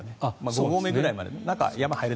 ５合目くらいまでしか。